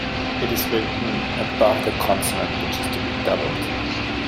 It is written above the consonant which is to be doubled.